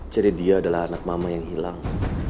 jadi dia adalah anak mama yang hilang